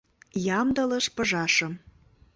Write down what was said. Ямдылыш пыжашым.